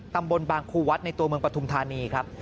ตำบลบางครูวัดในตัวเมืองปฐุมธานีครับ